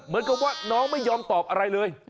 เหมือนกับว่าน้องไม่ยอมตอบอะไรเลย